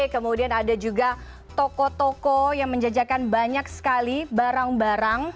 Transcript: kemudian ada juga toko toko yang menjajakan banyak sekali barang barang